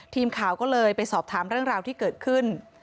ทีมข่าวก็เลยไปสอบถามเรื่องราวที่เกิดขึ้น